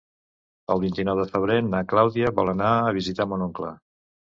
El vint-i-nou de febrer na Clàudia vol anar a visitar mon oncle.